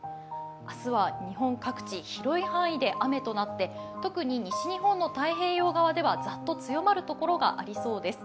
明日は日本各地、広い範囲で雨となって特に西日本の太平洋側ではザッと強まる所がありそうです。